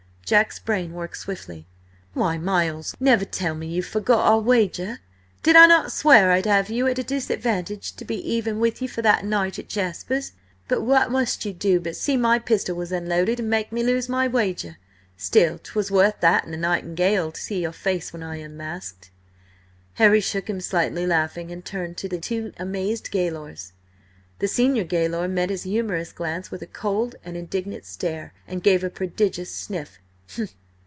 Jack's brain worked swiftly. "Why, Miles, never tell me you've forgot our wager! Did I not swear I'd have you at a disadvantage–to be even with you for that night at Jasper's? But what must you do but see my pistol was unloaded and make me lose my wager! Still, 'twas worth that and a night in gaol to see your face when I unmasked!" O'Hara shook him slightly, laughing, and turned to the two amazed gaolers. The senior gaoler met his humorous glance with a cold and indignant stare, and gave a prodigious sniff.